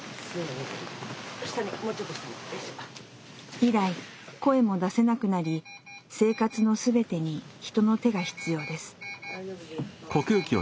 以来声も出せなくなり生活の全てに人の手が必要です。